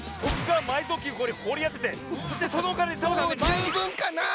もうじゅうぶんかなぁ！